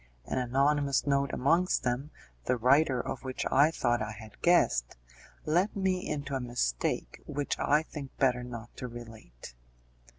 An anonymous note amongst them, the writer of which I thought I had guessed, let me into a mistake which I think better not to relate.